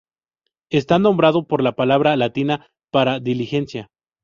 Está nombrado por la palabra latina para "diligencia".